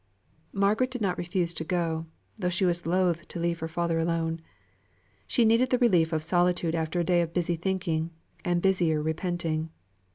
Margaret did not refuse to go, though she was loth to leave her father alone. She needed the relief of solitude after a day of busy thinking, and busier repenting.